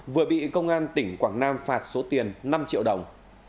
vừa bị công an tỉnh quảng nam phạt số tiền năm triệu đồng